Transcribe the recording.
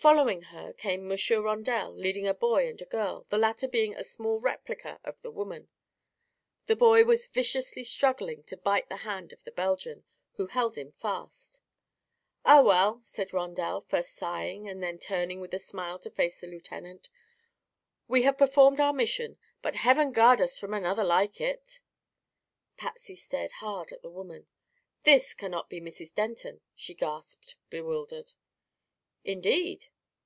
Following her came Monsieur Rondel leading a boy and a girl, the latter being a small replica of the woman. The boy was viciously struggling to bite the hand of the Belgian, who held him fast. "Ah, well," said Rondel, first sighing and then turning with a smile to face the lieutenant, "we have performed our mission. But heaven guard us from another like it!" Patsy stared hard at the woman. "This cannot be Mrs. Denton," she gasped, bewildered. "Indeed?"